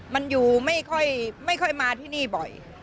มันอยู่ไม่ค่อยไม่ค่อยมาที่นี่บ่อย